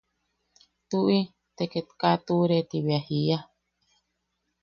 –Tuʼi, te ket kaa a tuʼure. Ti bea jiia.